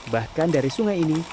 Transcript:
bahkan dari sungai ini